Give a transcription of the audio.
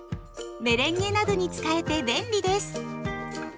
メレンゲなどに使えて便利です。